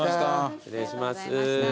失礼します。